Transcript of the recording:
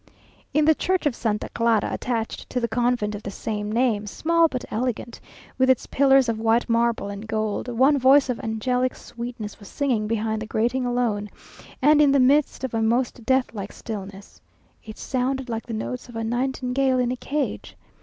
In the church of Santa Clara, attached to the convent of the same name, small but elegant, with its pillars of white marble and gold, one voice of angelic sweetness was singing behind the grating alone, and in the midst of a most deathlike stillness. It sounded like the notes of a nightingale in a cage.